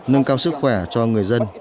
nâng cao sức khỏe cho người dân